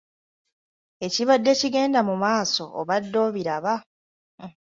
Ekibadde kigenda mu maaso obadde obiraba?